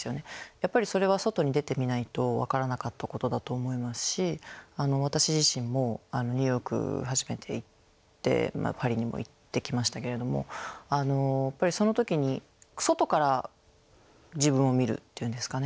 やっぱりそれは外に出てみないと分からなかったことだと思いますし私自身もニューヨーク初めて行ってまあパリにも行ってきましたけれどもやっぱりその時に外から自分を見るっていうんですかね。